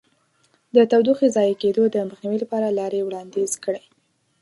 د تودوخې ضایع کېدو د مخنیوي لپاره لارې وړاندیز کړئ.